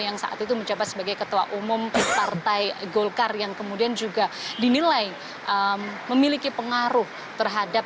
yang saat itu menjabat sebagai ketua umum partai golkar yang kemudian juga dinilai memiliki pengaruh terhadap